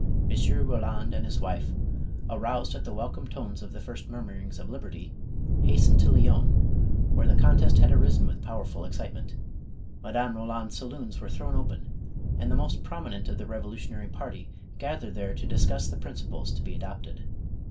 M. Roland and his wife, aroused at the welcome tones of the first mur murings of liberty, hastened to Lyons where the con test had arisen with powerful excitement. Madame Roland's saloons were thrown open, and the most promi nent of the revolutionary party gathered there to discuss •the principles to be adopted.